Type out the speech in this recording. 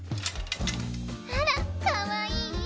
あらかわいい衣装！